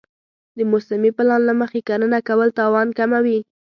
د موسمي پلان له مخې کرنه کول تاوان کموي.